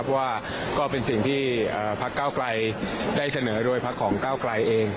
เพราะว่าก็เป็นสิ่งที่พักเก้าไกลได้เสนอโดยพักของก้าวไกลเอง